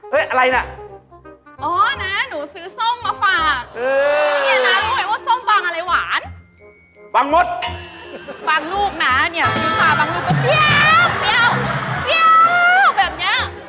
บางรูปน้าเนี่ยมีขวาบางรูปก็เปรี้ยวเปรี้ยวเปรี้ยวแบบเนี้ย